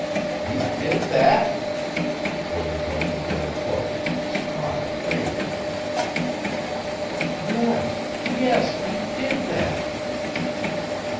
"He did that?" Billy held the girl close and smiled radiantly. "Yes, yes; he did that!"